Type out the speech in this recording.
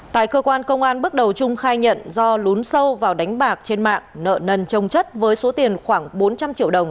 tại cơ quan công an bước đầu trung khai nhận do lún sâu vào đánh bạc trên mạng nợ nần trông chất với số tiền khoảng bốn trăm linh triệu đồng